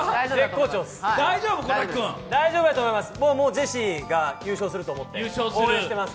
大丈夫だと思います、ジェシーが優勝すると思って応援してます。